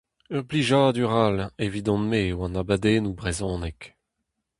Ur blijadur all evidon-me eo an abadennoù brezhonek.